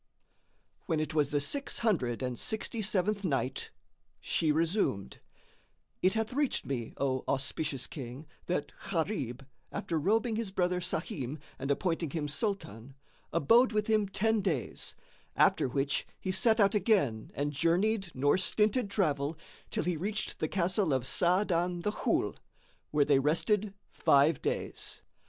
When it was the Six Hundred and Sixty seventh Night, She resumed, It hath reached me, O auspicious King, that Gharib, after robing his brother Sahim and appointing him Sultan, abode with him ten days, after which he set out again and journeyed nor stinted travel till he reached the castle of Sa'adan the Ghul, where they rested five days.